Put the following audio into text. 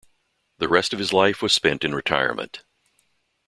The rest of his life was spent in retirement.